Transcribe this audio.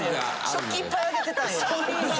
食器いっぱいあげてたんや。